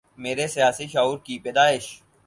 میرے سیاسی شعور کی پیدائش